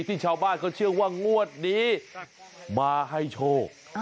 ที่ชาวบ้านเขาเชื่อว่างวดนี้มาให้โชค